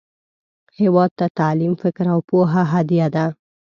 هیواد ته تعلیم، فکر، او پوهه هدیه ده